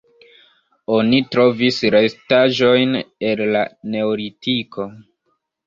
Oni trovis restaĵojn el la neolitiko.